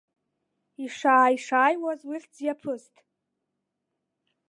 Ишааи-шааиуаз лыхьӡ иаԥыст.